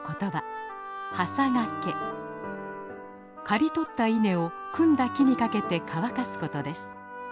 刈り取った稲を組んだ木に掛けて乾かすことです。